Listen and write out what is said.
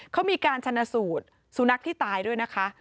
เขามีการชนะสูตรสุนัขที่ตายด้วยนะคะ